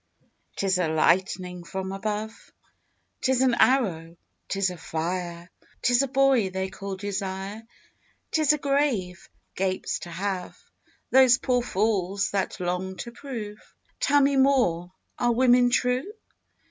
'Tis a lightning from above, 'Tis an arrow, 'tis a fire, 'Tis a boy they call Desire. 'Tis a grave Gapes to have Those poor fools that long to prove. Tell me more, are women true?